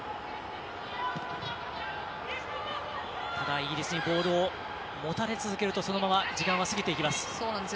イギリスにボールを持たれ続けるとそのまま時間は過ぎていきます。